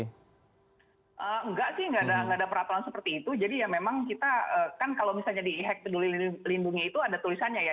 enggak sih nggak ada peraturan seperti itu jadi ya memang kita kan kalau misalnya di hack peduli lindungi itu ada tulisannya ya